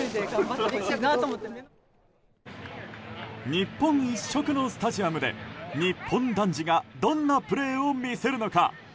日本一色のスタジアムで日本男児がどんなプレーを見せるのか。